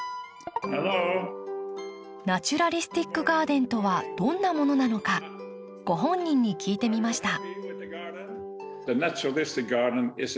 Ｈｅｌｌｏ．ナチュラリスティック・ガーデンとはどんなものなのかご本人に聞いてみました。